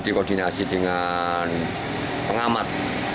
jadi koordinasi dengan pengamat